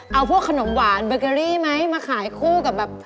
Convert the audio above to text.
เอาพวกขนมหวานเบอร์เกอรี่ไหมมาขายคู่กับแบบ